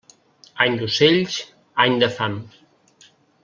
Any d'ocells, any de fam.